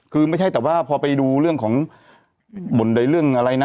คือไม่ใช่แต่ว่าพอไปดูเรื่องของบ่นใดเรื่องอะไรนะ